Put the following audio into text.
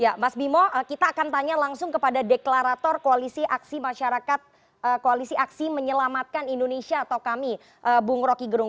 ya mas bimo kita akan tanya langsung kepada deklarator koalisi aksi masyarakat koalisi aksi menyelamatkan indonesia atau kami bung roky gerung